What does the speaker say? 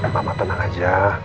mama tenang aja